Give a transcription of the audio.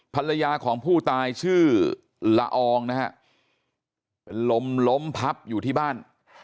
ภรรยาของผู้ตายชื่อละอองนะฮะเป็นลมล้มพับอยู่ที่บ้าน